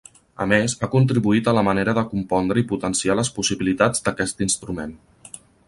A més, ha contribuït a la manera de compondre i potenciar les possibilitats d'aquest instrument.